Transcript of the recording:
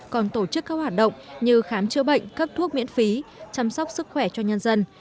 còn tổ chức các hoạt động như khám chữa bệnh cấp thuốc miễn phí chăm sóc sức khỏe cho nhân dân